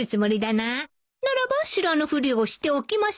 ならば知らぬふりをしておきましょ